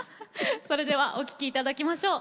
それではお聴きいただきましょう。